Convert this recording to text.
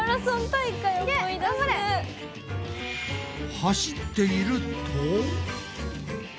走っていると。